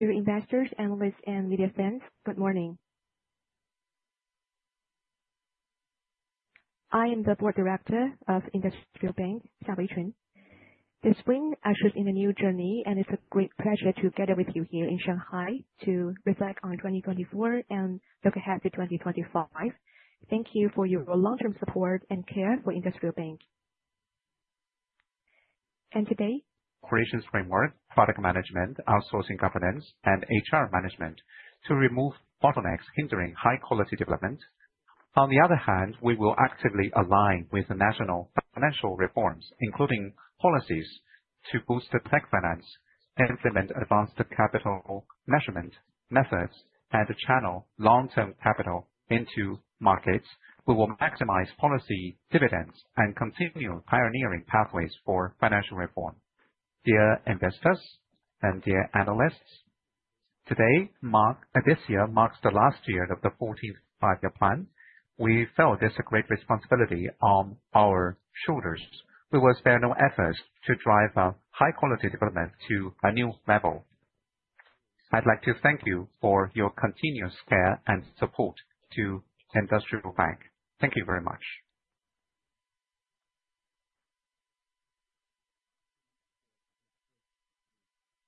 Dear investors, analysts, and media fans, good morning. I am the Board Director of Industrial Bank, Lü Jiajin. This spring, I shift in a new journey, and it's a great pleasure to gather with you here in Shanghai to reflect on 2024 and look ahead to 2025. Thank you for your long-term support and care for Industrial Bank. Today. Coordination framework, product management, outsourcing governance, and HR management to remove bottlenecks hindering high-quality development. On the other hand, we will actively align with national financial reforms, including policies to boost the tech finance, implement advanced capital measurement methods, and channel long-term capital into markets. We will maximize policy dividends and continue pioneering pathways for financial reform. Dear investors and dear analysts, this year marks the last year of the 14th five-year plan. We felt there's a great responsibility on our shoulders. We will spare no effort to drive a high-quality development to a new level. I'd like to thank you for your continuous care and support to Industrial Bank. Thank you very much.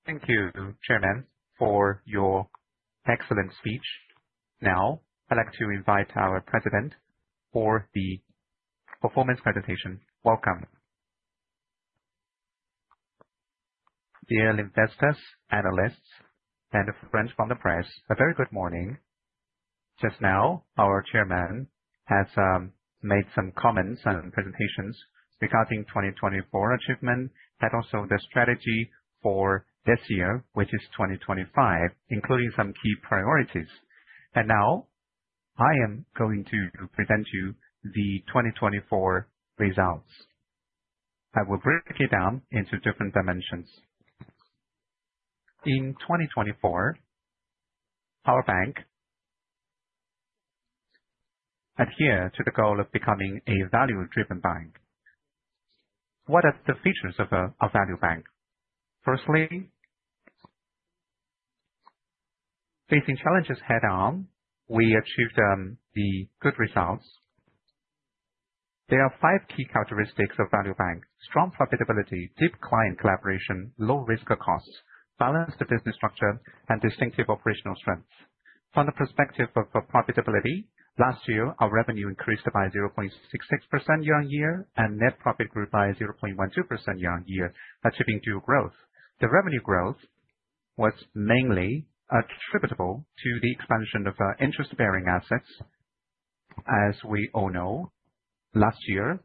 Thank you, Chairman, for your excellent speech. Now, I'd like to invite our President for the performance presentation. Welcome. Dear investors, analysts, and friends from the press, a very good morning. Just now, our Chairman has made some comments and presentations regarding 2024 achievement and also the strategy for this year, which is 2025, including some key priorities. Now, I am going to present to you the 2024 results. I will break it down into different dimensions. In 2024, our bank adheres to the goal of becoming a value-driven bank. What are the features of a value bank? Firstly, facing challenges head-on, we achieved the good results. There are five key characteristics of value bank: strong profitability, deep client collaboration, low risk of costs, balanced business structure, and distinctive operational strengths. From the perspective of profitability, last year, our revenue increased by 0.66% year-on-year and net profit grew by 0.12% year-on-year, achieving due growth. The revenue growth was mainly attributable to the expansion of interest-bearing assets. As we all know, last year,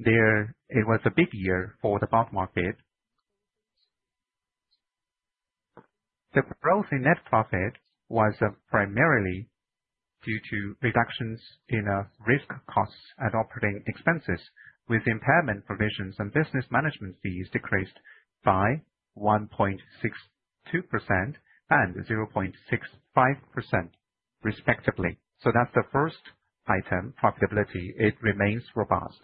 it was a big year for the bond market. The growth in net profit was primarily due to reductions in risk costs and operating expenses, with impairment provisions and business management fees decreased by 1.62% and 0.65%, respectively. That is the first item: profitability. It remains robust.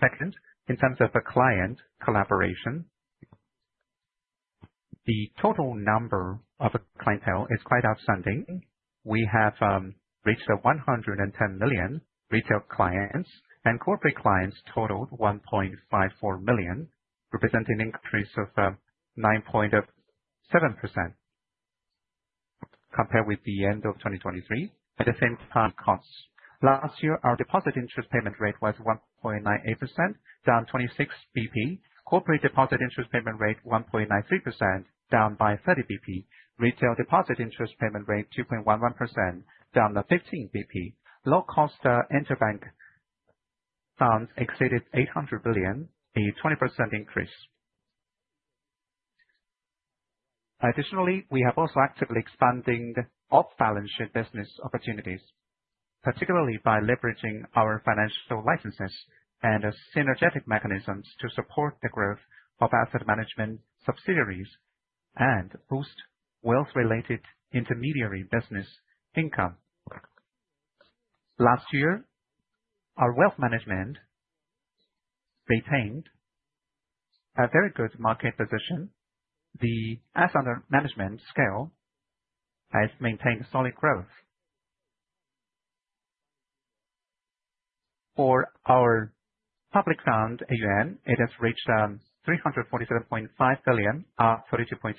Second, in terms of client collaboration, the total number of clientele is quite outstanding. We have reached 110 million retail clients, and corporate clients totaled 1.54 million, representing an increase of 9.7% compared with the end of 2023. At the same time, costs. Last year, our deposit interest payment rate was CNY 1.98%, down 26 basis points. Corporate deposit interest payment rate 1.93%, down by 30 basis points. Retail deposit interest payment rate 2.11%, down 15 basis points. Low-cost interbank funds exceeded 800 billion, a 20% increase. Additionally, we have also actively expanded off-balance sheet business opportunities, particularly by leveraging our financial licenses and synergetic mechanisms to support the growth of asset management subsidiaries and boost wealth-related intermediary business income. Last year, our wealth management retained a very good market position. The asset management scale has maintained solid growth. For our public fund, AUM, it has reached 347.5 billion, up 32.7%,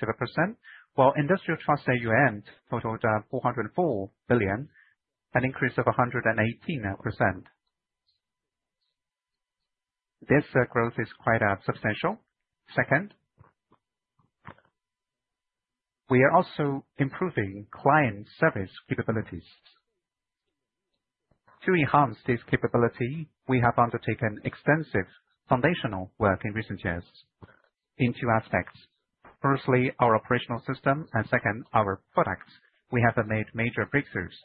while Industrial Trust AUM totaled 404 billion, an increase of 118%. This growth is quite substantial. Second, we are also improving client service capabilities. To enhance this capability, we have undertaken extensive foundational work in recent years in two aspects. Firstly, our operational system, and second, our products. We have made major breakthroughs.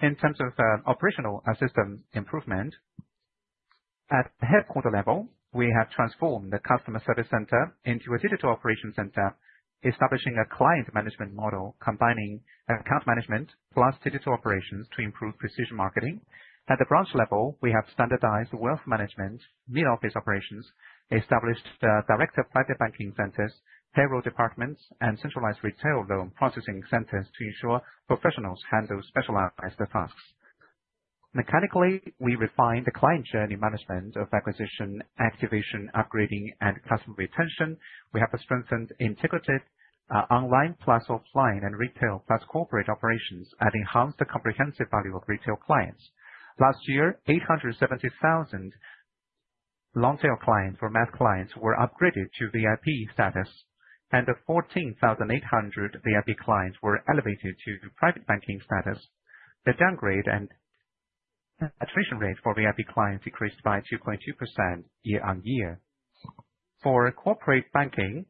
In terms of operational system improvement, at the headquarter level, we have transformed the customer service center into a digital operations center, establishing a client management model combining account management plus digital operations to improve precision marketing. At the branch level, we have standardized wealth management, middle-office operations, established direct private banking centers, payroll departments, and centralized retail loan processing centers to ensure professionals handle specialized tasks. Mechanically, we refined the client journey management of acquisition, activation, upgrading, and customer retention. We have strengthened integrated online plus offline and retail plus corporate operations and enhanced the comprehensive value of retail clients. Last year, 870,000 long-tail clients were upgraded to VIP status, and 14,800 VIP clients were elevated to private banking status. The downgrade and attrition rate for VIP clients decreased by 2.2% year-on-year. For corporate banking,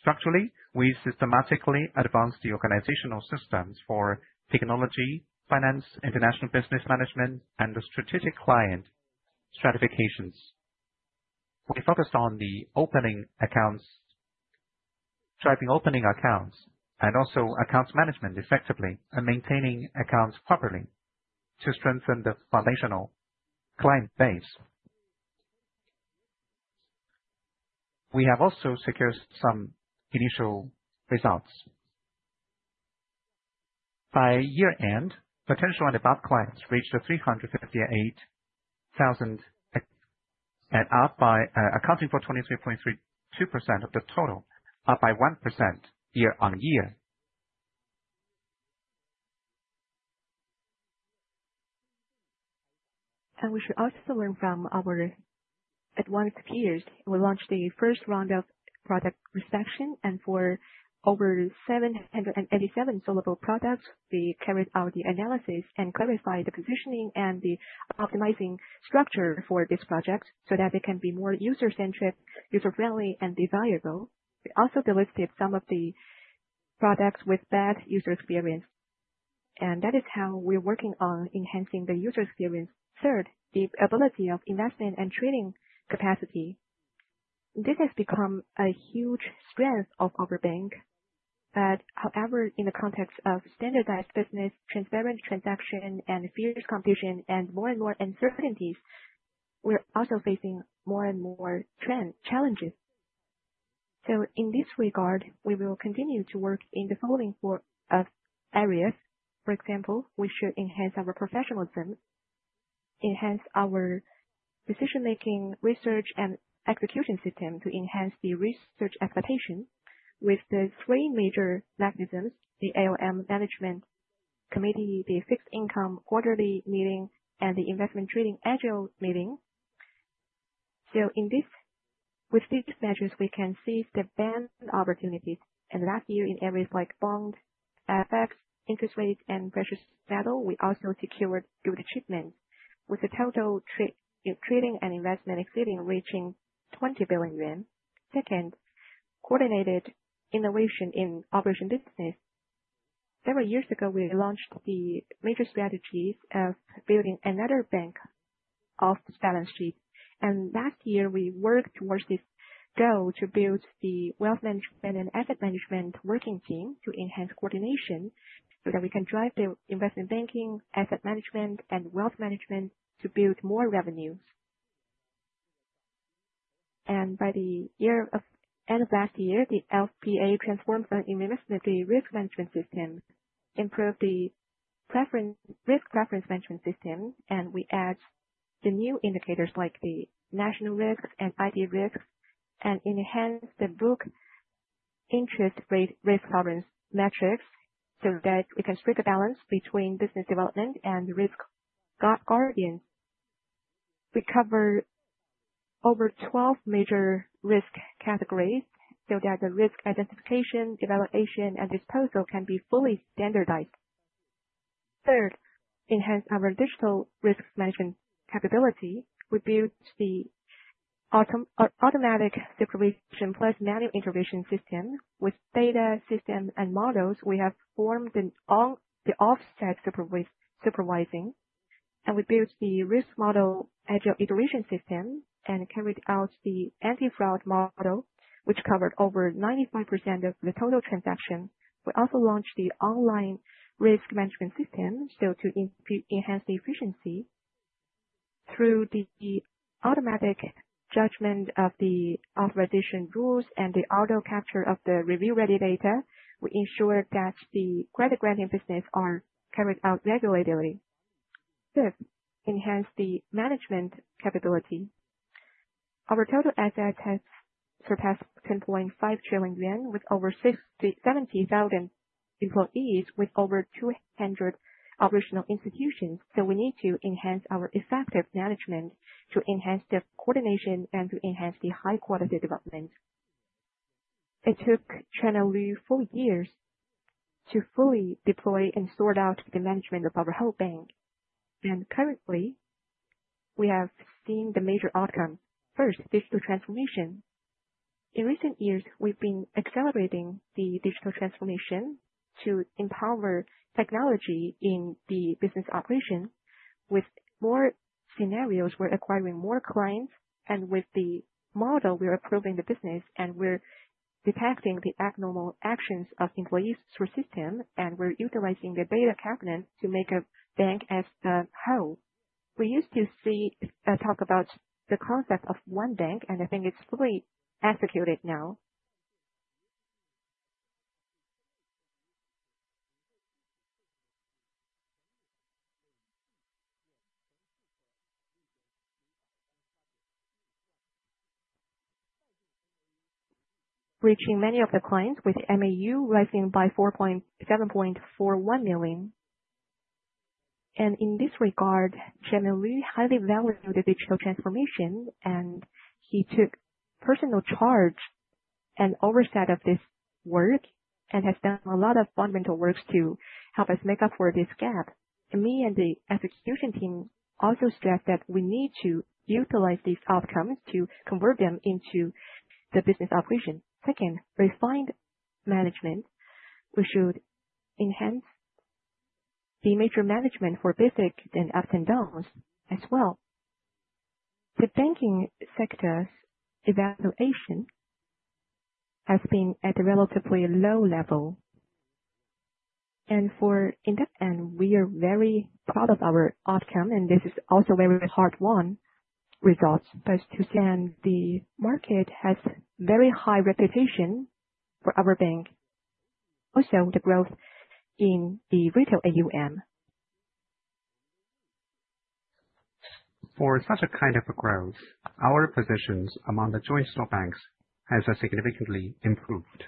structurally, we systematically advanced the organizational systems for technology, finance, international business management, and the strategic client stratifications. We focused on the opening accounts, driving opening accounts, and also accounts management effectively and maintaining accounts properly to strengthen the foundational client base. We have also secured some initial results. By year-end, potential and above clients reached 358,000, accounting for 23.32% of the total, up by 1% year-on-year. We should also learn from our advanced peers. We launched the first round of product reception, and for over 787 sellable products, we carried out the analysis and clarified the positioning and the optimizing structure for this project so that it can be more user-centric, user-friendly, and desirable. We also delisted some of the products with bad user experience. That is how we're working on enhancing the user experience. Third, the ability of investment and training capacity. This has become a huge strength of our bank. However, in the context of standardized business, transparent transaction, and fierce competition, and more and more uncertainties, we're also facing more and more challenges. In this regard, we will continue to work in the following areas. For example, we should enhance our professionalism, enhance our decision-making, research, and execution system to enhance the research expectation with the three major mechanisms: the AUM Management Committee, the fixed income quarterly meeting, and the investment trading agile meeting. With these measures, we can see the bond opportunities. Last year, in areas like bond, FX, interest rates, and precious metal, we also secured good achievements with the total trading and investment exceeding 20 billion yuan. Second, coordinated innovation in operation business. Several years ago, we launched the major strategies of building another bank off the balance sheet. Last year, we worked towards this goal to build the wealth management and asset management working team to enhance coordination so that we can drive the investment banking, asset management, and wealth management to build more revenues. By the end of last year, the Bank transformed the investment risk management system, improved the risk preference management system, and we added the new indicators like the national risks and IT risks, and enhanced the book interest rate risk tolerance metrics so that we can strike a balance between business development and risk guardians. We cover over 12 major risk categories so that the risk identification, evaluation, and disposal can be fully standardized. Third, enhanced our digital risk management capability. We built the automatic supervision plus manual intervention system with data systems and models. We have formed the off-site supervision, and we built the risk model agile iteration system and carried out the anti-fraud model, which covered over 95% of the total transaction. We also launched the online risk management system to enhance the efficiency. Through the automatic judgment of the authorization rules and the auto capture of the review-ready data, we ensured that the credit-granting businesses are carried out regularly. Fifth, enhanced the management capability. Our total assets have surpassed 10.5 trillion yuan with over 70,000 employees, with over 200 operational institutions. We need to enhance our effective management to enhance the coordination and to enhance the high-quality development. It took Chairman Lü four years to fully deploy and sort out the management of our whole bank. Currently, we have seen the major outcomes. First, digital transformation. In recent years, we've been accelerating the digital transformation to empower technology in the business operation with more scenarios. We're acquiring more clients, and with the model, we're improving the business, and we're detecting the abnormal actions of employees through systems, and we're utilizing the data cabinet to make a bank as a whole. We used to talk about the concept of one bank, and I think it's fully executed now. Reaching many of the clients with MAU rising by 4.7 million. In this regard, Chairman Lü highly valued the digital transformation, and he took personal charge and oversight of this work and has done a lot of fundamental work to help us make up for this gap. Me and the execution team also stress that we need to utilize these outcomes to convert them into the business operation. Second, refined management. We should enhance the major management for basic and ups and downs as well. The banking sector's evaluation has been at a relatively low level. We are very proud of our outcome, and this is also a very hard-won result. First, the market has a very high reputation for our bank. Also, the growth in the retail AUM. For such a kind of growth, our positions among the joint-stock banks have significantly improved.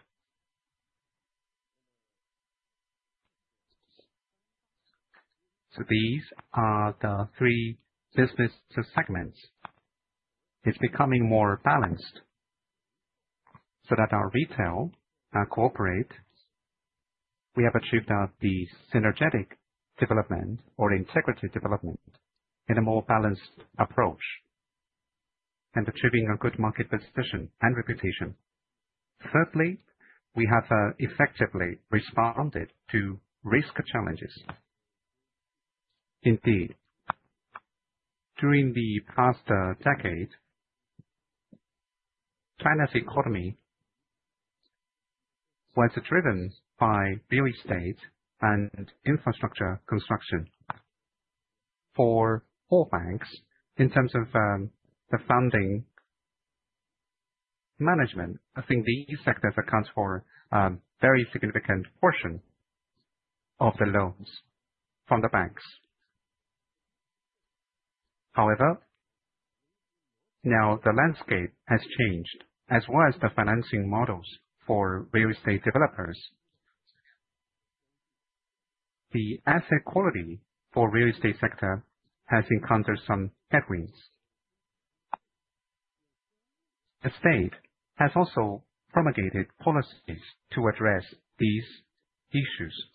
These are the three business segments. It is becoming more balanced so that our retail and corporate, we have achieved the synergetic development or integrated development in a more balanced approach and achieving a good market position and reputation. Thirdly, we have effectively responded to risk challenges. Indeed, during the past decade, China's economy was driven by real estate and infrastructure construction. For all banks, in terms of the funding management, I think these sectors account for a very significant portion of the loans from the banks. However, now the landscape has changed, as well as the financing models for real estate developers. The asset quality for the real estate sector has encountered some headwinds. The state has also promulgated policies to address these issues.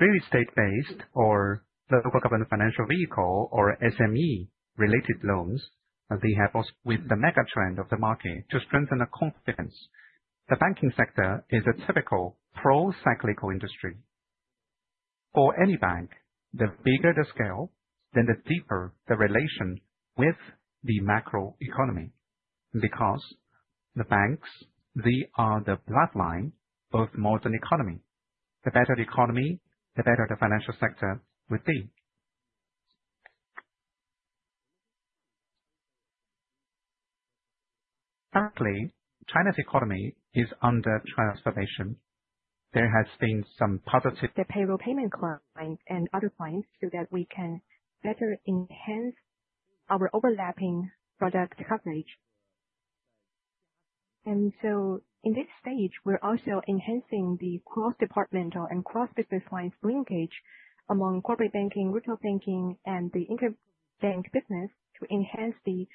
Real estate-based or local government financial vehicle or SME-related loans, they have. With the megatrend of the market to strengthen the confidence, the banking sector is a typical pro-cyclical industry. For any bank, the bigger the scale, then the deeper the relation with the macroeconomy. Because the banks, they are the bloodline of modern economy. The better the economy, the better the financial sector will be. Currently, China's economy is under transformation. There has been some positive. The payroll payment clients and other clients so that we can better enhance our overlapping product coverage. At this stage, we're also enhancing the cross-departmental and cross-business lines linkage among corporate banking, retail banking, and the interbank business to enhance the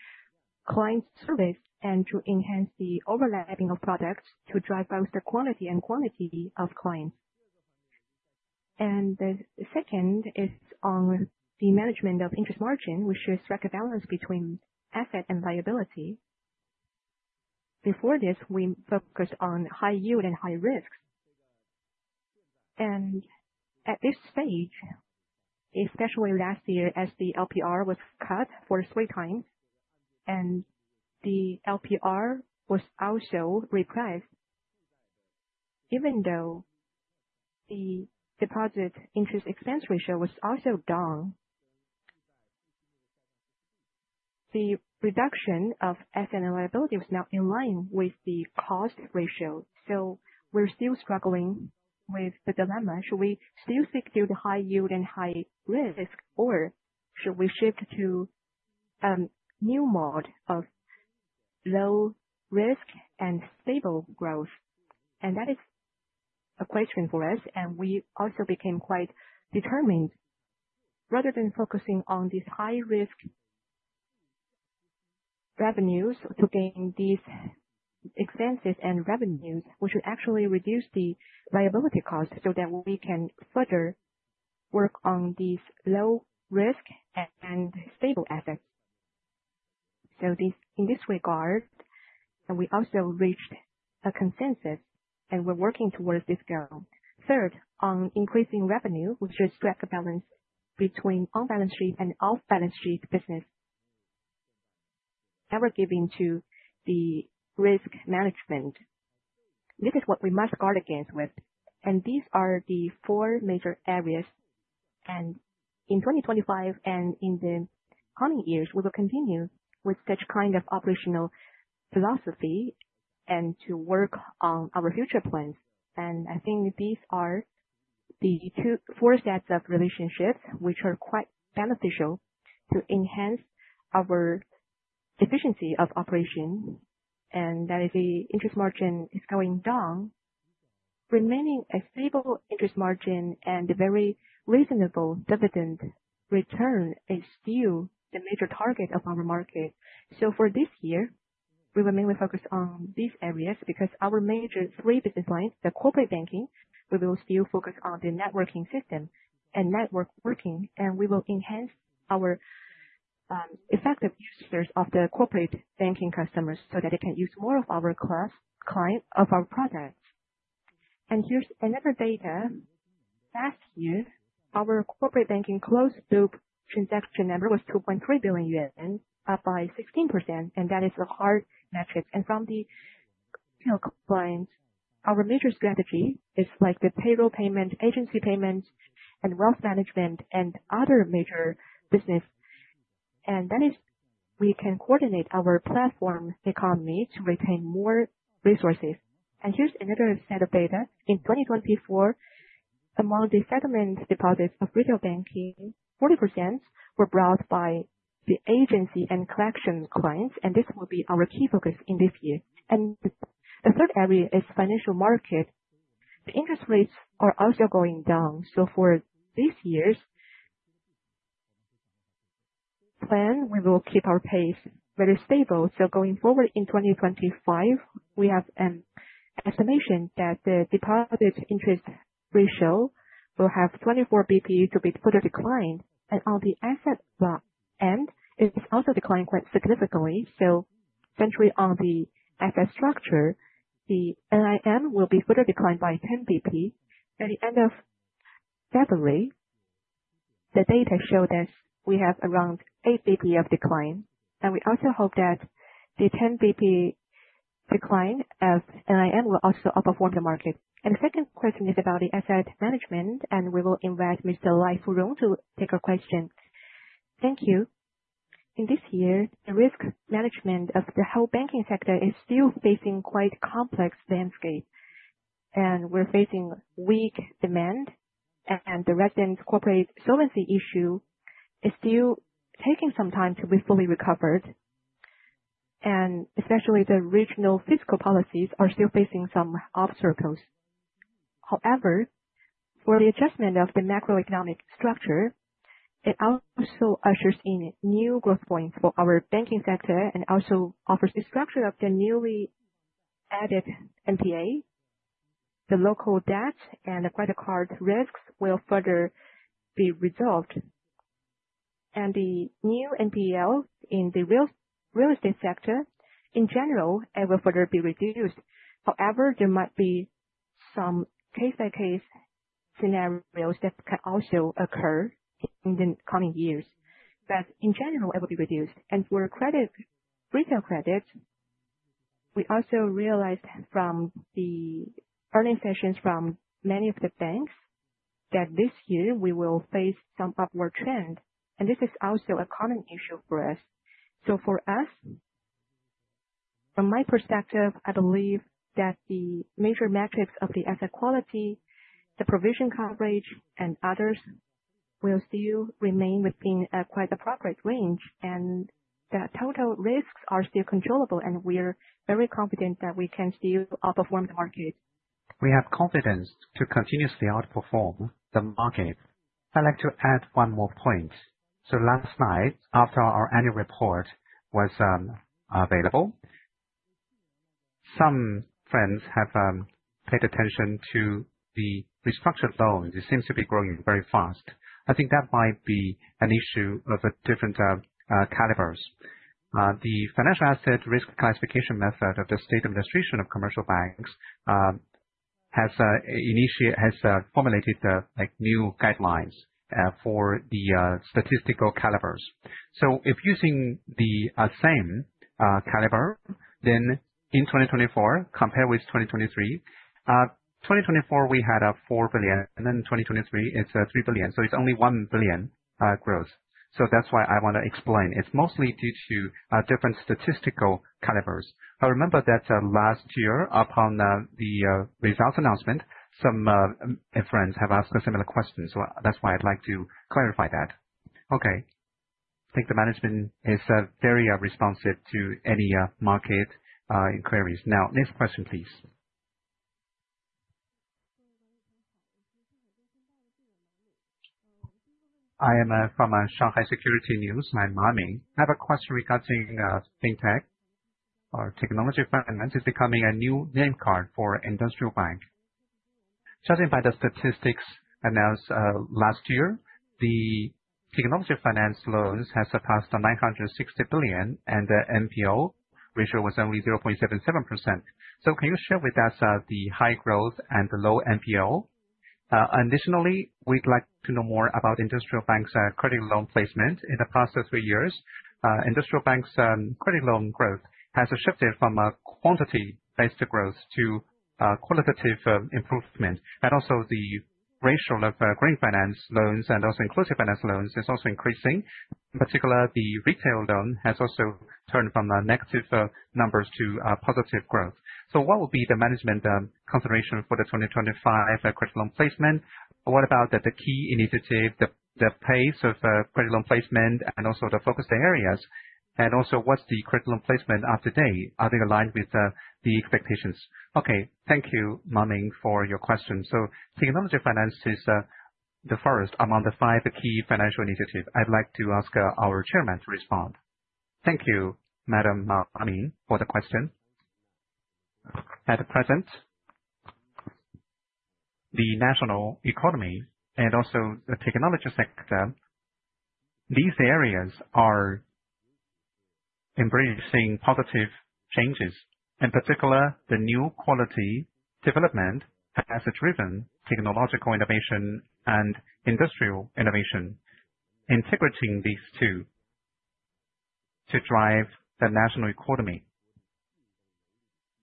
client service and to enhance the overlapping of products to drive both the quality and quantity of clients. The second is on the management of interest margin. We should strike a balance between asset and liability. Before this, we focused on high yield and high risks. At this stage, especially last year as the LPR was cut for the third time, and the LPR was also repriced, even though the deposit interest expense ratio was also down, the reduction of asset and liability was now in line with the cost ratio. We're still struggling with the dilemma. Should we still stick to the high yield and high risk, or should we shift to a new mode of low risk and stable growth? That is a question for us, and we also became quite determined. Rather than focusing on these high-risk revenues to gain these expenses and revenues, we should actually reduce the liability cost so that we can further work on these low-risk and stable assets. In this regard, we also reached a consensus, and we're working towards this goal. Third, on increasing revenue, we should strike a balance between on-balance sheet and off-balance sheet business, never giving to the risk management. This is what we must guard against with. These are the four major areas. In 2025 and in the coming years, we will continue with such kind of operational philosophy and to work on our future plans. I think these are the four sets of relationships which are quite beneficial to enhance our efficiency of operation. That is the interest margin is going down. Remaining a stable interest margin and a very reasonable dividend return is still the major target of our market. For this year, we will mainly focus on these areas because our major three business lines, the corporate banking, we will still focus on the networking system and network working, and we will enhance our effective users of the corporate banking customers so that they can use more of our clients, of our products. Here's another data. Last year, our corporate banking closed-loop transaction number was 2.3 billion yuan, up by 16%, and that is a hard metric. From the compliance, our major strategy is like the payroll payment, agency payments, and wealth management, and other major business. We can coordinate our platform economy to retain more resources. Here is another set of data. In 2024, among the settlement deposits of retail banking, 40% were brought by the agency and collection clients, and this will be our key focus this year. The third area is financial market. The interest rates are also going down. For this year's plan, we will keep our pace very stable. Going forward in 2025, we have an estimation that the deposit interest ratio will have 24 basis points to be further declined. On the asset end, it is also declined quite significantly. Centrally on the asset structure, the NIM will be further declined by 10 basis points. At the end of February, the data showed us we have around 8 basis points of decline. We also hope that the 10 basis point decline of NIM will also outperform the market. The second question is about the asset management, and we will invite Mr. Lai Furong to take our question. Thank you. This year, the risk management of the whole banking sector is still facing quite a complex landscape. We are facing weak demand, and the resident corporate solvency issue is still taking some time to be fully recovered. Especially the regional fiscal policies are still facing some obstacles. However, for the adjustment of the macroeconomic structure, it also ushers in new growth points for our banking sector and also offers the structure of the newly added NPAs. The local debt and credit card risks will further be resolved. The new NPL in the real estate sector in general will further be reduced. However, there might be some case-by-case scenarios that can also occur in the coming years. In general, it will be reduced. For retail credits, we also realized from the earning sessions from many of the banks that this year we will face some upward trend. This is also a common issue for us. For us, from my perspective, I believe that the major metrics of the asset quality, the provision coverage, and others will still remain within quite a progress range. The total risks are still controllable. We are very confident that we can still outperform the market. We have confidence to continuously outperform the market. I'd like to add one more point. Last night, after our annual report was available, some friends have paid attention to the restructured loans. It seems to be growing very fast. I think that might be an issue of different calibers. The financial asset risk classification method of the State Administration of Commercial Banks has formulated new guidelines for the statistical calibers. If using the same caliber, then in 2024, compared with 2023, 2024, we had 4 billion. In 2023, it's 3 billion. It's only 1 billion growth. That's why I want to explain. It's mostly due to different statistical calibers. I remember that last year, upon the results announcement, some friends have asked similar questions. That's why I'd like to clarify that. I think the management is very responsive to any market inquiries. Now, next question, please. I am from Shanghai Securities News. My name is Maoming. I have a question regarding fintech or technology finance. It's becoming a new name card for Industrial Bank. Judging by the statistics announced last year, the technology finance loans have surpassed 960 billion, and the NPL ratio was only 0.77%. Can you share with us the high growth and the low NPL? Additionally, we'd like to know more about Industrial Bank's credit loan placement in the past three years. Industrial Bank's credit loan growth has shifted from a quantity-based growth to a qualitative improvement. The ratio of green finance loans and also inclusive finance loans is also increasing. In particular, the retail loan has also turned from negative numbers to positive growth. What will be the management consideration for the 2025 credit loan placement? What about the key initiative, the pace of credit loan placement, and also the focus areas? Also, what's the credit loan placement up to date? Are they aligned with the expectations? Thank you, Maoming, for your question. Technology finance is the first among the five key financial initiatives. I'd like to ask our Chairman to respond. Thank you, Madam Maoming, for the question. At present, the national economy and also the technology sector, these areas are embracing positive changes. In particular, the new quality development has driven technological innovation and industrial innovation, integrating these two to drive the national economy,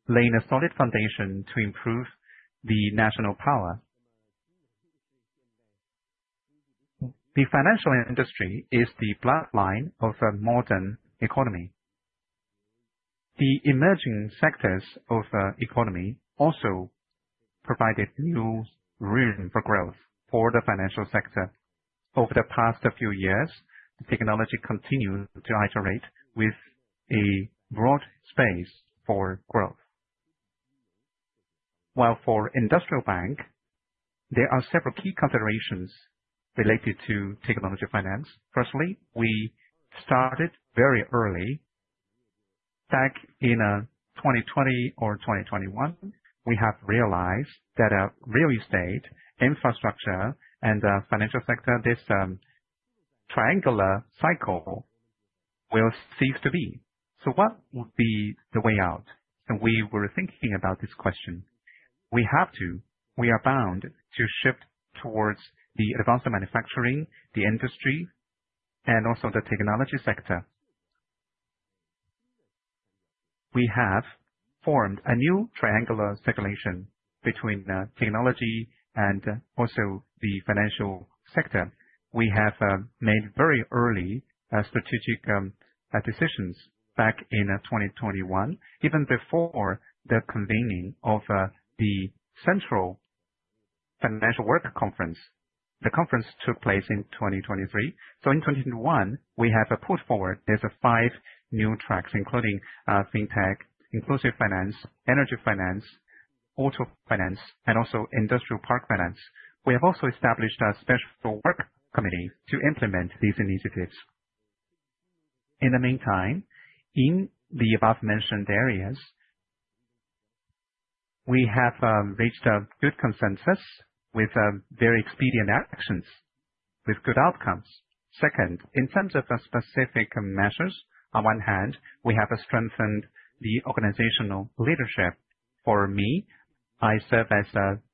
laying a solid foundation to improve the national power. The financial industry is the bloodline of a modern economy. The emerging sectors of the economy also provided new room for growth for the financial sector. Over the past few years, technology continued to iterate with a broad space for growth. While for Industrial Bank, there are several key considerations related to technology finance. Firstly, we started very early. Back in 2020 or 2021, we have realized that real estate, infrastructure, and the financial sector, this triangular cycle will cease to be. What would be the way out? We were thinking about this question. We have to. We are bound to shift towards the advanced manufacturing, the industry, and also the technology sector. We have formed a new triangular circulation between technology and also the financial sector. We have made very early strategic decisions back in 2021, even before the convening of the Central Financial Work Conference. The conference took place in 2023. In 2021, we have put forward five new tracks, including fintech, inclusive finance, energy finance, auto finance, and also industrial park finance. We have also established a special work committee to implement these initiatives. In the meantime, in the above-mentioned areas, we have reached a good consensus with very expedient actions, with good outcomes. Second, in terms of specific measures, on one hand, we have strengthened the organizational leadership. For me, I serve as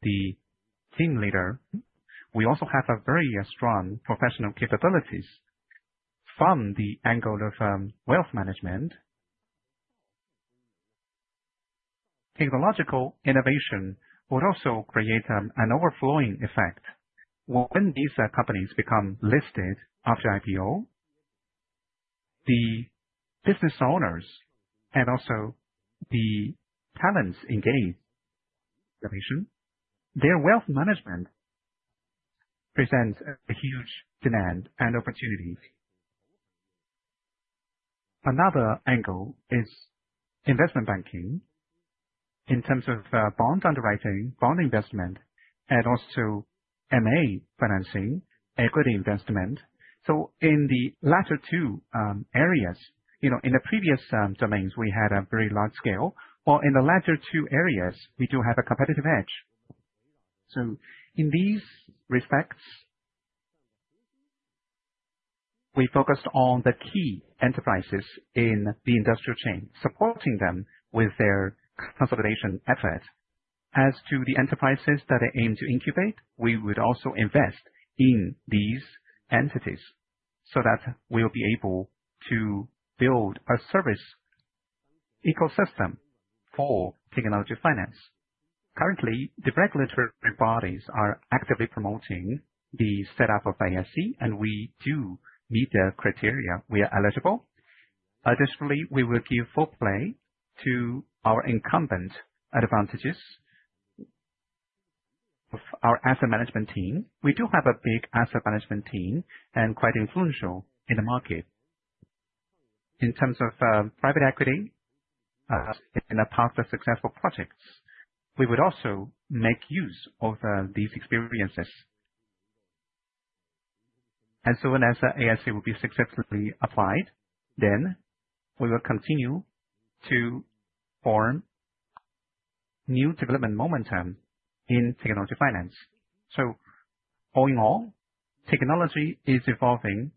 the team leader. We also have very strong professional capabilities from the angle of wealth management. Technological innovation would also create an overflowing effect. When these companies become listed after IPO, the business owners and also the talents engaged in innovation, their wealth management presents a huge demand and opportunity. Another angle is investment banking in terms of bond underwriting, bond investment, and also MA financing, equity investment. In the latter two areas, in the previous domains, we had a very large scale. In the latter two areas, we do have a competitive edge. In these respects, we focused on the key enterprises in the industrial chain, supporting them with their consolidation efforts. As to the enterprises that they aim to incubate, we would also invest in these entities so that we will be able to build a service ecosystem for technology finance. Currently, the regulatory bodies are actively promoting the setup of AIC, and we do meet the criteria. We are eligible. Additionally, we will give full play to our incumbent advantages of our asset management team. We do have a big asset management team and are quite influential in the market. In terms of private equity, in the past, successful projects, we would also make use of these experiences. As soon as AIC will be successfully applied, then we will continue to form new development momentum in technology finance. All in all, technology is evolving,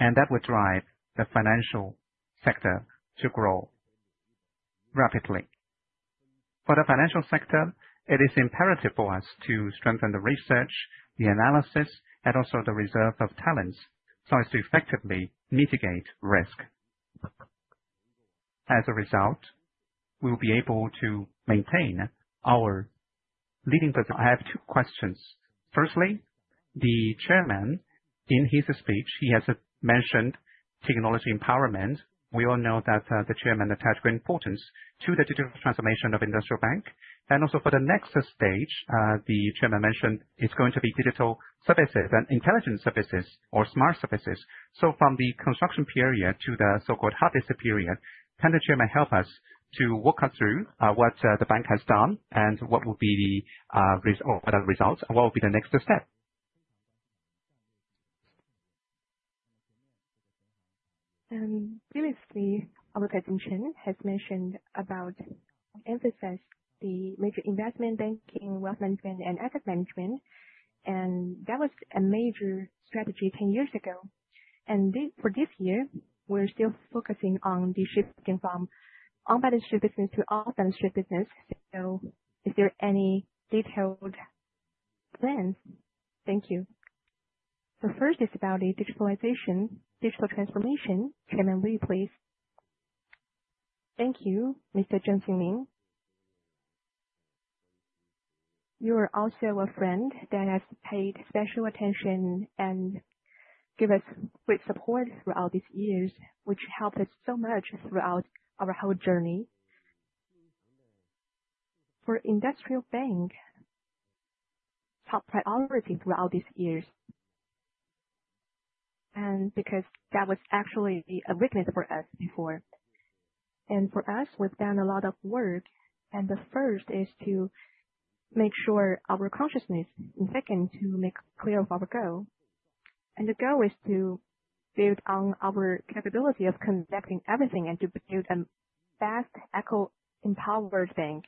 and that would drive the financial sector to grow rapidly. For the financial sector, it is imperative for us to strengthen the research, the analysis, and also the reserve of talents so as to effectively mitigate risk. As a result, we will be able to maintain our leading. I have two questions. Firstly, the Chairman, in his speech, he has mentioned technology empowerment. We all know that the Chairman attached great importance to the digital transformation of Industrial Bank. Also for the next stage, the Chairman mentioned it's going to be digital services and intelligent services or smart services. From the construction period to the so-called hard discipline, can the Chairman help us to walk us through what the bank has done and what will be the results and what will be the next step? Previously, President Chen has mentioned about emphasizing the major investment banking, wealth management, and asset management. That was a major strategy 10 years ago. For this year, we're still focusing on the shifting from unbalanced shift business to off-balanced shift business. Is there any detailed plans? Thank you. First is about the digitalization, digital transformation. Chairman, will you please? Thank you, Mr. Zheng Xingming. You are also a friend that has paid special attention and given us great support throughout these years, which helped us so much throughout our whole journey. For Industrial Bank, top priority throughout these years. Because that was actually a weakness for us before. For us, we've done a lot of work. The first is to make sure our consciousness, and second, to make clear of our goal. The goal is to build on our capability of conducting everything and to build a vast, echo-empowered bank.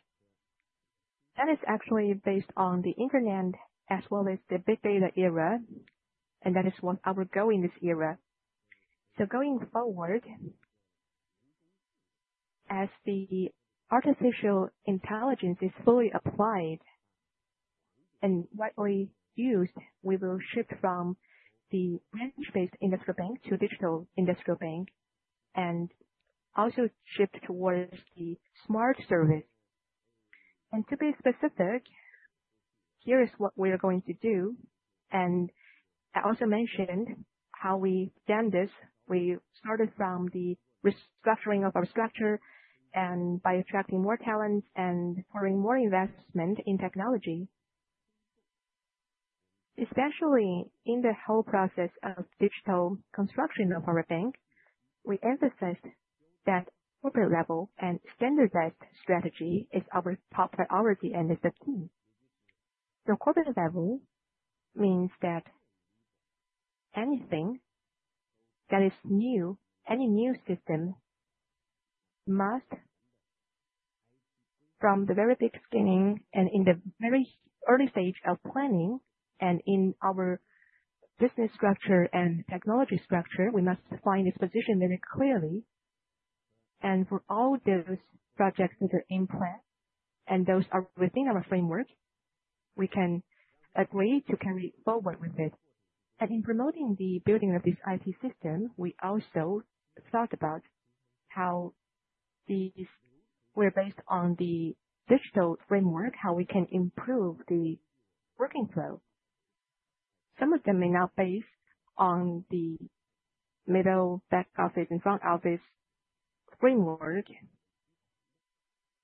That is actually based on the internet as well as the big data era. That is what our goal in this era. Going forward, as the artificial intelligence is fully applied and widely used, we will shift from the branch-based Industrial Bank to digital Industrial Bank and also shift towards the smart service. To be specific, here is what we are going to do. I also mentioned how we've done this. We started from the restructuring of our structure and by attracting more talents and pouring more investment in technology. Especially in the whole process of digital construction of our bank, we emphasized that corporate level and standardized strategy is our top priority and is the key. Corporate level means that anything that is new, any new system must, from the very beginning and in the very early stage of planning and in our business structure and technology structure, we must find this position very clearly. For all those projects that are in plan and those that are within our framework, we can agree to carry forward with it. In promoting the building of this IT system, we also thought about how these were based on the digital framework, how we can improve the working flow. Some of them may not base on the middle back office and front office framework,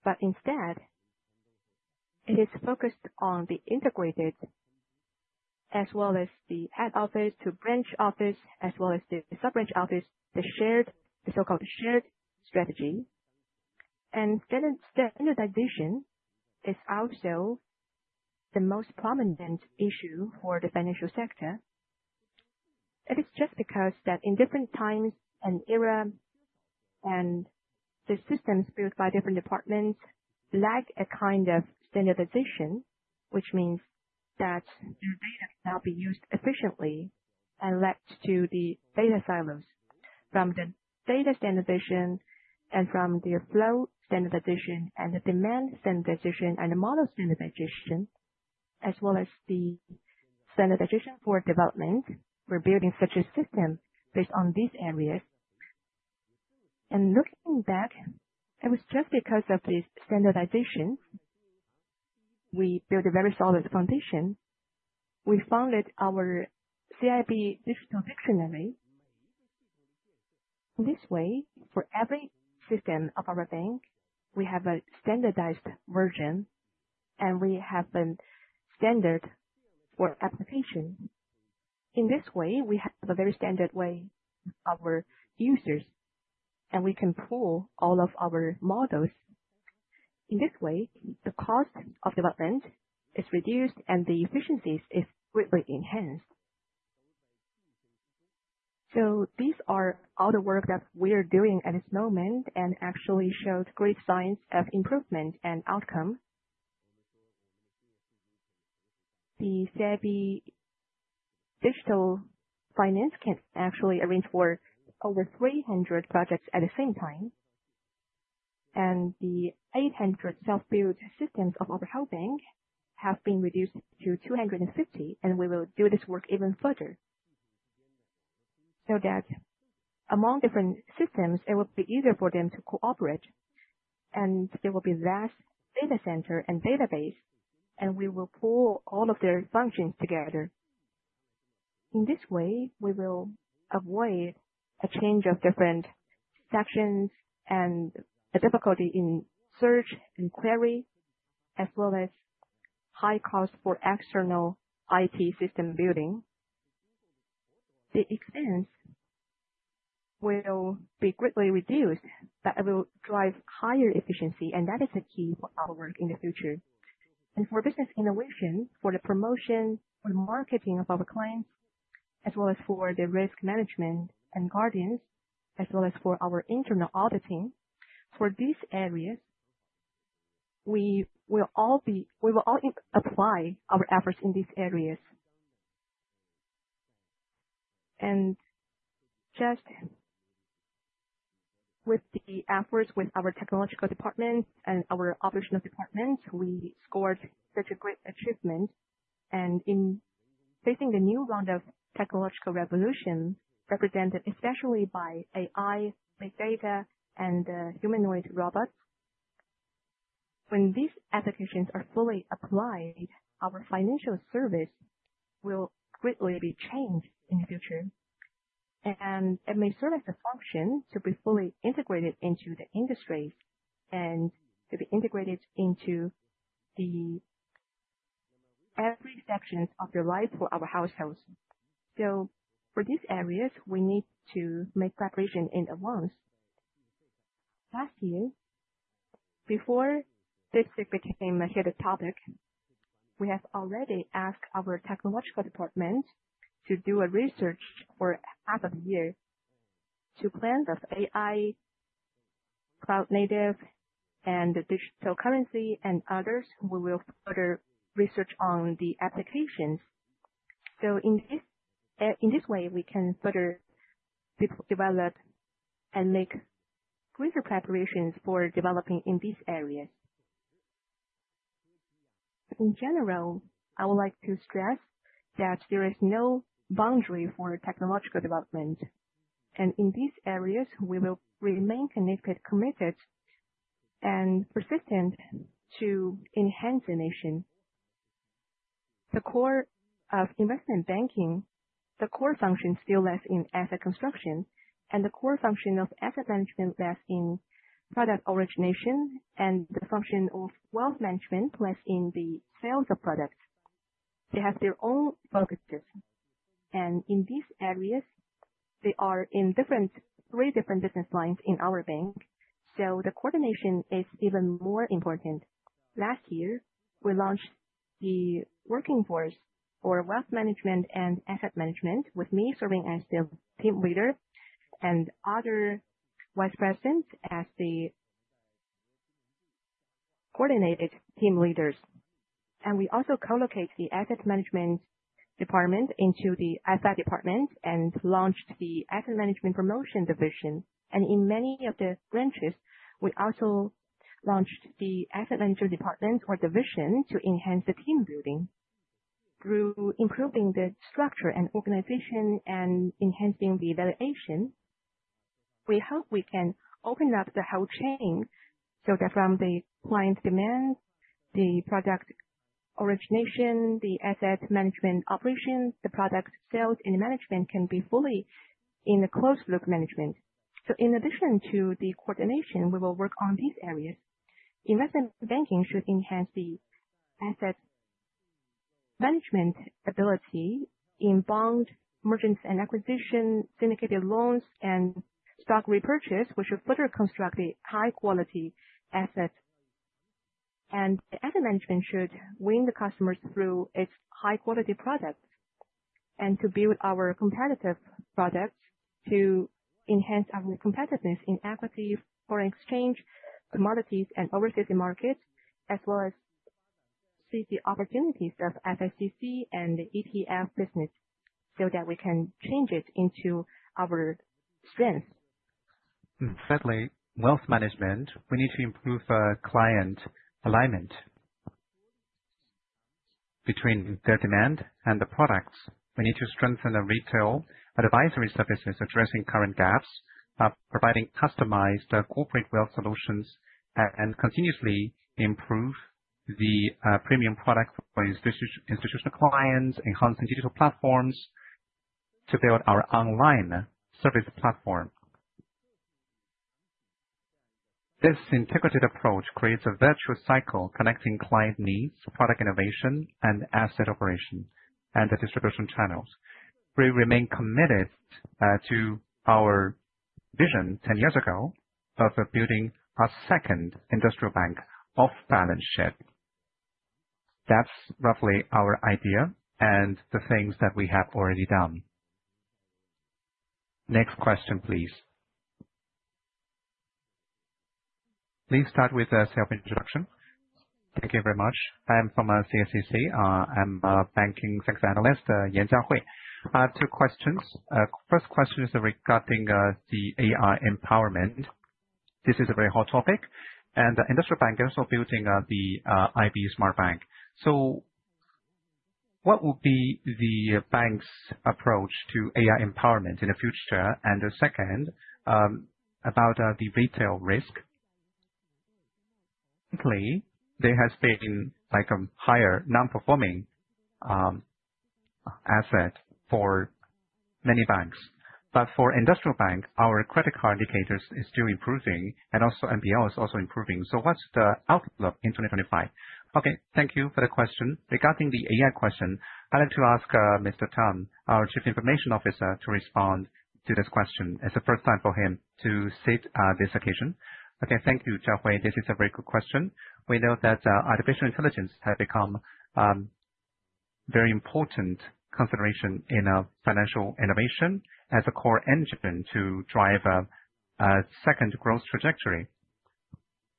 but instead, it is focused on the integrated as well as the head office to branch office as well as the sub-branch office, the so-called shared strategy. Standardization is also the most prominent issue for the financial sector. It is just because that in different times and era, and the systems built by different departments lack a kind of standardization, which means that their data cannot be used efficiently and led to the data silos. From the data standardization and from the flow standardization and the demand standardization and the model standardization, as well as the standardization for development, we're building such a system based on these areas. Looking back, it was just because of the standardization, we built a very solid foundation. We founded our CIB digital dictionary. This way, for every system of our bank, we have a standardized version and we have a standard for application. In this way, we have a very standard way. Our users, and we can pull all of our models. In this way, the cost of development is reduced and the efficiencies are greatly enhanced. These are all the work that we are doing at this moment and actually showed great signs of improvement and outcome. The CIB digital finance can actually arrange for over 300 projects at the same time. The 800 self-built systems of our whole bank have been reduced to 250, and we will do this work even further. That way, among different systems, it will be easier for them to cooperate, and there will be less data center and database, and we will pull all of their functions together. In this way, we will avoid a change of different sections and the difficulty in search and query, as well as high cost for external IT system building. The expense will be greatly reduced, but it will drive higher efficiency, and that is the key for our work in the future. For business innovation, for the promotion, for the marketing of our clients, as well as for the risk management and guardians, as well as for our internal auditing, for these areas, we will all apply our efforts in these areas. Just with the efforts with our technological department and our operational department, we scored such a great achievement. In facing the new round of technological revolution, represented especially by AI, big data, and humanoid robots, when these applications are fully applied, our financial service will greatly be changed in the future. It may serve as a function to be fully integrated into the industries and to be integrated into every section of the life for our households. For these areas, we need to make preparation in advance. Last year, before this became a topic, we have already asked our technological department to do a research for half of the year to plan the AI cloud native and digital currency and others. We will further research on the applications. In this way, we can further develop and make greater preparations for developing in these areas. In general, I would like to stress that there is no boundary for technological development. In these areas, we will remain committed and persistent to enhance the nation. The core of investment banking, the core function still lies in asset construction, and the core function of asset management lies in product origination, and the function of wealth management lies in the sales of products. They have their own focuses. In these areas, they are in three different business lines in our bank. The coordination is even more important. Last year, we launched the working force for wealth management and asset management with me serving as the team leader and other vice presidents as the coordinated team leaders. We also co-locate the asset management department into the asset department and launched the asset management promotion division. In many of the branches, we also launched the asset management department or division to enhance the team building through improving the structure and organization and enhancing the evaluation. We hope we can open up the whole chain so that from the client demand, the product origination, the asset management operations, the product sales and management can be fully in the closed-loop management. In addition to the coordination, we will work on these areas. Investment banking should enhance the asset management ability in bond, merchants and acquisition, syndicated loans, and stock repurchase, which should further construct the high-quality assets. Asset management should win the customers through its high-quality products and to build our competitive products to enhance our competitiveness in equity, foreign exchange, commodities, and overseas markets, as well as see the opportunities of FICC and the ETF business so that we can change it into our strengths. Sadly, wealth management, we need to improve client alignment between their demand and the products. We need to strengthen the retail advisory services addressing current gaps, providing customized corporate wealth solutions, and continuously improve the premium products for institutional clients, enhancing digital platforms to build our online service platform. This integrated approach creates a virtual cycle connecting client needs, product innovation, and asset operation and the distribution channels. We remain committed to our vision 10 years ago of building a second Industrial Bank off-balance sheet. That's roughly our idea and the things that we have already done. Next question, please. Please start with a self-introduction. Thank you very much. I am from CICC. I'm a banking sector analyst, Huang Zhaohui. Two questions. First question is regarding the AI empowerment. This is a very hot topic. The industrial bankers are building the IB Smart Bank. What will be the bank's approach to AI empowerment in the future? Second, about the retail risk. Currently, there has been a higher non-performing asset for many banks. For Industrial Bank, our credit card indicators are still improving, and also MOB is also improving. What is the outlook in 2025? Okay. Thank you for the question. Regarding the AI question, I would like to ask Mr. Tang, our Chief Information Officer, to respond to this question. It is the first time for him to sit at this occasion. Okay. Thank you, Zhaohui. This is a very good question. We know that artificial intelligence has become a very important consideration in financial innovation as a core engine to drive a second growth trajectory.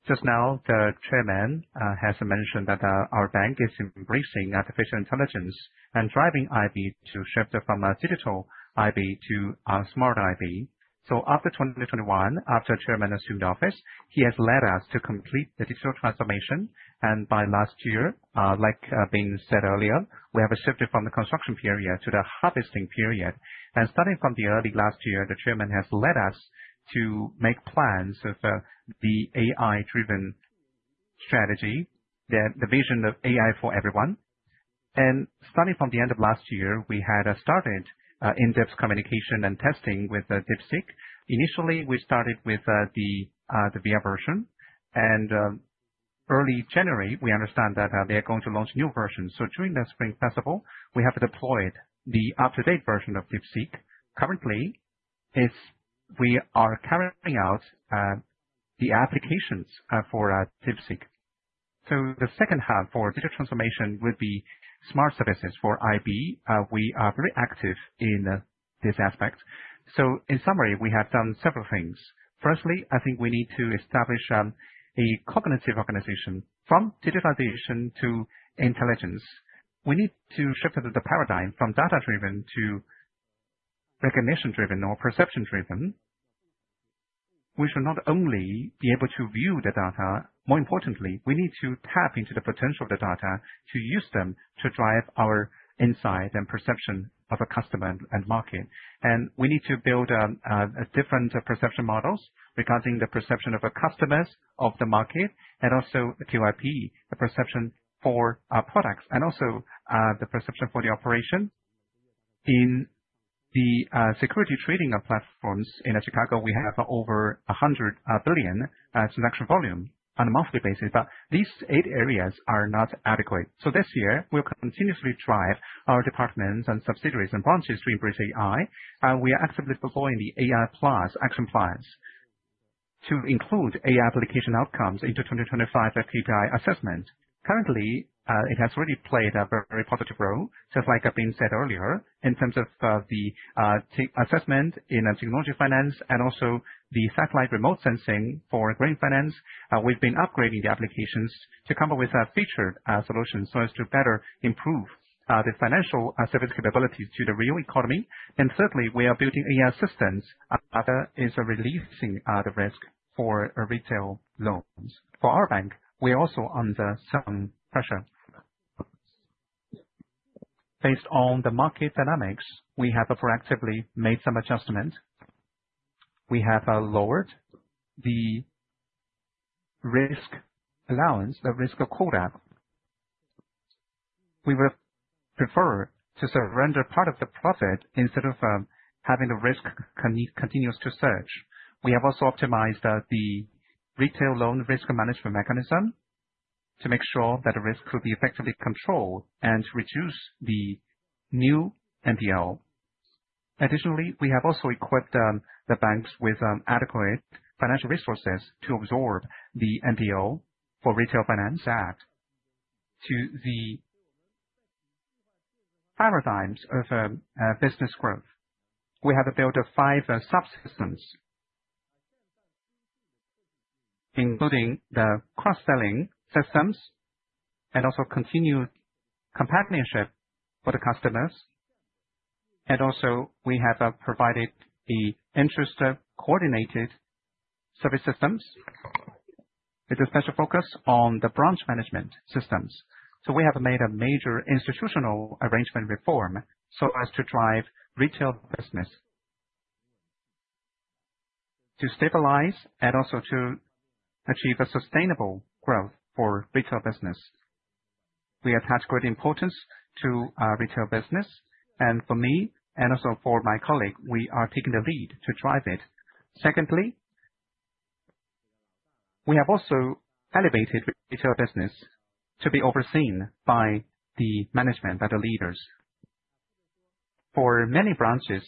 Just now, the Chairman has mentioned that our bank is embracing artificial intelligence and driving IB to shift from a digital IB to a smart IB. After 2021, after the Chairman assumed office, he has led us to complete the digital transformation. By last year, like being said earlier, we have shifted from the construction period to the harvesting period. Starting from early last year, the Chairman has led us to make plans for the AI-driven strategy, the vision of AI for everyone. Starting from the end of last year, we had started in-depth communication and testing with DeepSeek. Initially, we started with the VR version. Early January, we understand that they are going to launch a new version. During the Spring Festival, we have deployed the up-to-date version of DeepSeek. Currently, we are carrying out the applications for DeepSeek. The second half for digital transformation would be smart services for IB. We are very active in this aspect. In summary, we have done several things. Firstly, I think we need to establish a cognitive organization from digitization to intelligence. We need to shift the paradigm from data-driven to recognition-driven or perception-driven. We should not only be able to view the data. More importantly, we need to tap into the potential of the data to use them to drive our insight and perception of a customer and market. We need to build different perception models regarding the perception of our customers, of the market, and also P, the perception for our products, and also the perception for the operation. In the security trading platforms in Chicago, we have over 100 billion transaction volume on a monthly basis. These eight areas are not adequate. This year, we will continuously drive our departments and subsidiaries and branches to embrace AI. We are actively deploying the AI Plus action plans to include AI application outcomes into 2025 KPI assessment. Currently, it has already played a very positive role. Just like I've been said earlier, in terms of the assessment in technology finance and also the satellite remote sensing for green finance, we've been upgrading the applications to come up with featured solutions so as to better improve the financial service capabilities to the real economy. Thirdly, we are building AI systems that are releasing the risk for retail loans. For our bank, we are also under some pressure. Based on the market dynamics, we have proactively made some adjustments. We have lowered the risk allowance, the risk of Uncertain. We would prefer to surrender part of the profit instead of having the risk continuous to surge. We have also optimized the retail loan risk management mechanism to make sure that the risk could be effectively controlled and reduce the new NPL. Additionally, we have also equipped the banks with adequate financial resources to absorb the for retail finance. That to the paradigms of business growth. We have built five subsystems, including the cross-selling systems and also continued companionship for the customers. We have provided the interest-coordinated service systems with a special focus on the branch management systems. We have made a major institutional arrangement reform so as to drive retail business, to stabilize and also to achieve a sustainable growth for retail business. We attach great importance to retail business. For me and also for my colleague, we are taking the lead to drive it. Secondly, we have also elevated retail business to be overseen by the management, by the leaders. For many branches,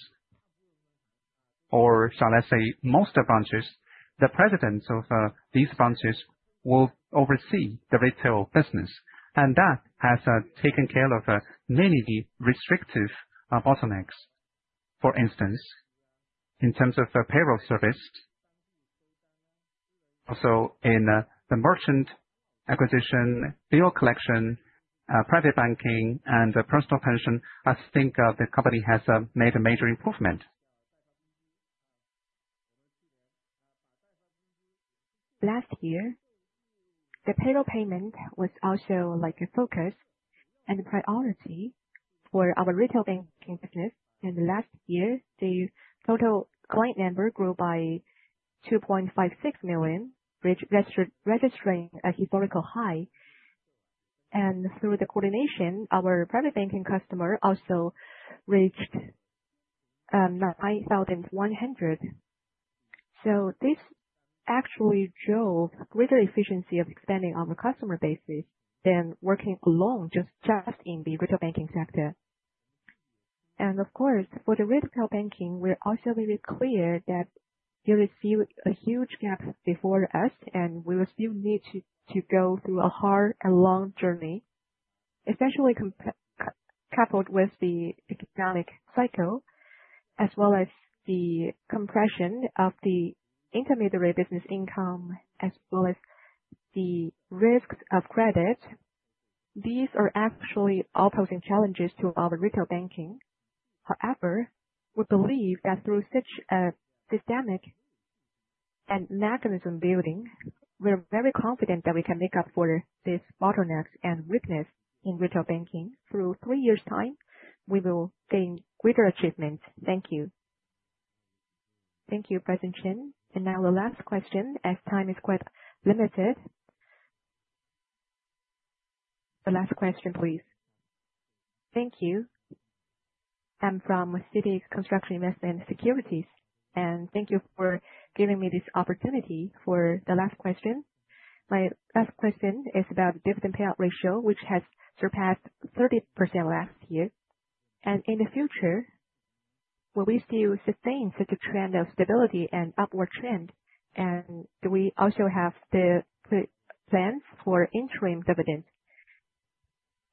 or shall I say, most branches, the presidents of these branches will oversee the retail business. That has taken care of many restrictive bottlenecks. For instance, in terms of payroll service, also in the merchant acquisition, bill collection, private banking, and personal pension, I think the company has made a major improvement. Last year, the payroll payment was also a focus and priority for our retail banking business. Last year, the total client number grew by 2.56 million, registering a historical high. Through the coordination, our private banking customer also reached 9,100. This actually drove greater efficiency of expanding our customer bases than working alone just in the retail banking sector. Of course, for the retail banking, we're also very clear that you'll see a huge gap before us, and we will still need to go through a hard and long journey, especially coupled with the economic cycle, as well as the compression of the intermediary business income, as well as the risks of credit. These are actually opposing challenges to our retail banking. However, we believe that through such a systemic and mechanism building, we're very confident that we can make up for these bottlenecks and weaknesses in retail banking. Through three years' time, we will gain greater achievements. Thank you. Thank you, President Chen. Now the last question, as time is quite limited. The last question, please. Thank you. I'm from CITIC Construction Investment Securities, and thank you for giving me this opportunity for the last question. My last question is about the dividend payout ratio, which has surpassed 30% last year. In the future, will we still sustain such a trend of stability and upward trend? Do we also have the plans for interim dividends?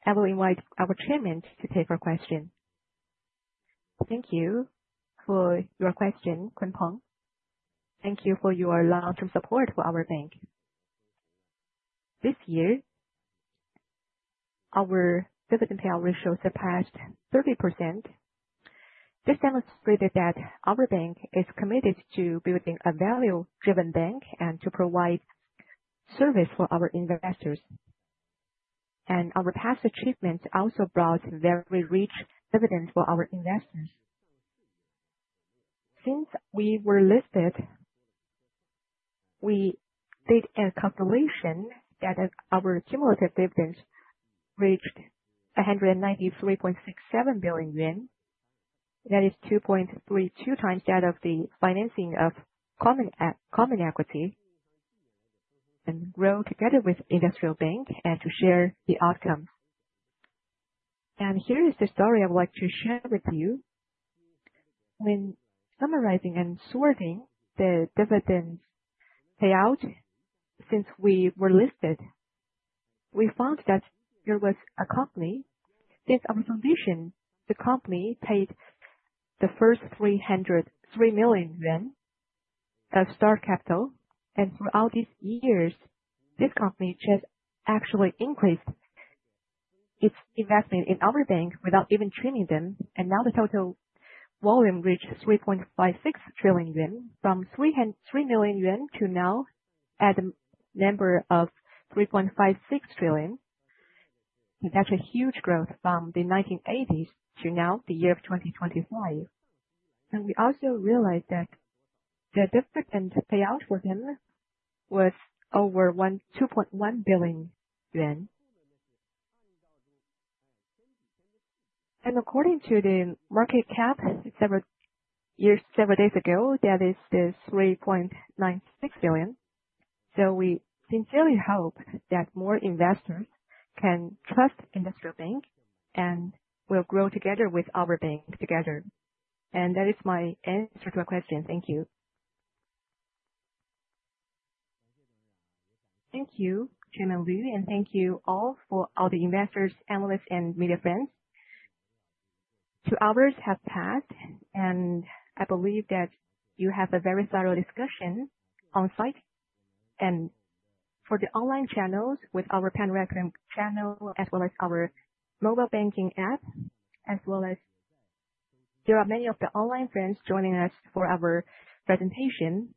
I will invite our Chairman to take our question. Thank you for your question, Ma Kunpeng. Thank you for your long-term support for our bank. This year, our dividend payout ratio surpassed 30%. This demonstrated that our bank is committed to building a value-driven bank and to provide service for our investors. Our past achievements also brought very rich dividends for our investors. Since we were listed, we did a calculation that our cumulative dividends reached 193.67 billion yuan. That is 2.32 times that of the financing of common equity. Grow together with Industrial Bank and share the outcomes. Here is the story I would like to share with you. When summarizing and sorting the dividends payout since we were listed, we found that there was a company. Since our foundation, the company paid the first 303 million yuan of start capital. Throughout these years, this company actually increased its investment in our bank without even trimming them. Now the total volume reached 3.56 trillion yuan. From 3 million yuan to now at a number of 3.56 trillion. That is a huge growth from the 1980s to now, the year of 2025. We also realized that the dividend payout for them was over CNY 2.1 billion. According to the market cap several days ago, that is 3.96 billion. We sincerely hope that more investors can trust Industrial Bank and will grow together with our bank together. That is my answer to my question. Thank you. Thank you, Chairman Lu, and thank you all for all the investors, analysts, and media friends. Two hours have passed, and I believe that you have a very thorough discussion on site. For the online channels with our Panorama channel as well as our mobile banking app, there are many of the online friends joining us for our presentation.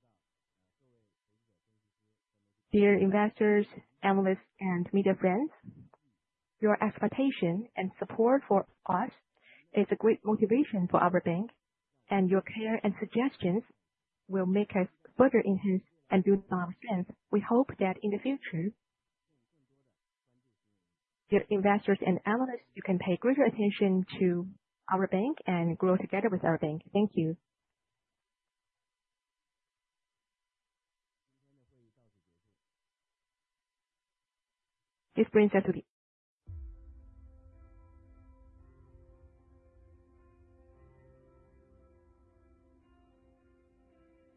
Dear investors, analysts, and media friends, your expectation and support for us is a great motivation for our bank. Your care and suggestions will make us further enhance and do more of our strength. We hope that in the future, dear investors and analysts, you can pay greater attention to our bank and grow together with our bank. Thank you. This brings us to the.